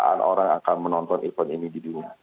kapan orang akan menonton event ini di dunia